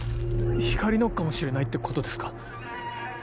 光莉のかもしれないってことですか？